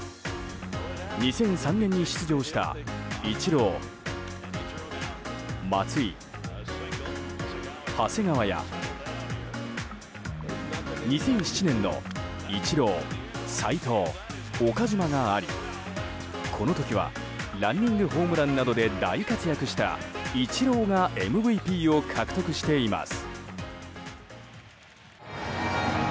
２００３年に出場したイチロー、松井、長谷川や２００７年のイチロー、斎藤、岡島がありこの時はランニングホームランなどで大活躍したイチローがＭＶＰを獲得しています。